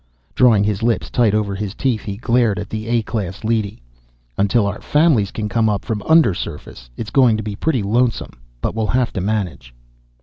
Drawing his lips tight over his teeth, he glared at the A class leady. "Until our families can come up from undersurface, it's going to be pretty lonesome, but we'll have to manage."